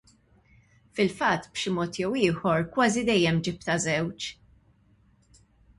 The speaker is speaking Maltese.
Fil-fatt b'xi mod jew ieħor kważi dejjem ġibtha żewġ.